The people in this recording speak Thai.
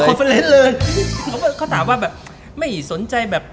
เขาถามว่าแบบไม่สนใจแบบ